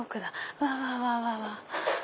うわわわわ！